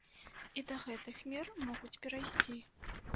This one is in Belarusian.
І да гэтых мер могуць перайсці.